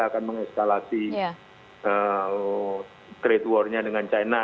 kita akan mengeskalasi trade war nya dengan china